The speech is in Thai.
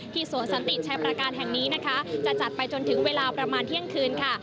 สวนสันติชัยประการแห่งนี้นะคะจะจัดไปจนถึงเวลาประมาณเที่ยงคืนค่ะ